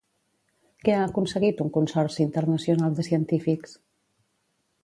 Què ha aconseguit un consorci internacional de científics?